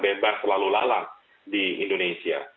karena itu kita tidak selalu lalang di indonesia